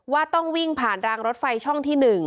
ว่าต้องวิ่งผ่านรางรถไฟช่องที่๑